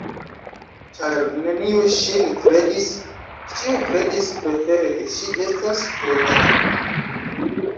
Ĉar neniu ŝin kredis, ĉiu kredis prefere ke ŝi estas freneza.